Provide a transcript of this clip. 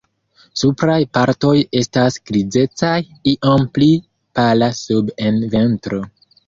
Supraj partoj estas grizecaj, iom pli pala sube en ventro.